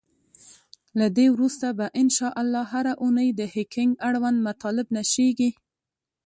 له دی وروسته به ان شاءالله هره اونۍ د هکینګ اړوند مطالب نشریږی.